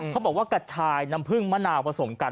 เขาบอกว่ากระชายน้ำผึ้งมะนาวผสมกัน